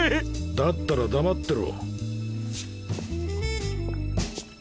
だったら黙ってろ。